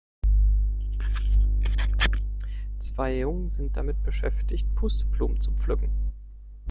Zwei Jungen sind damit beschäftigt, Pusteblumen zu pflücken.